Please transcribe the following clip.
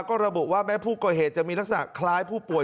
ก็ระบุว่าแม้ผู้ก่อเหตุจะมีลักษณะคล้ายผู้ป่วย